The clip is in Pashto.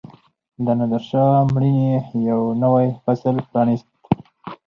د نادرشاه مړینې یو نوی فصل پرانیست.